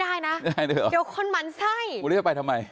เดี๋ยวคนมันไส้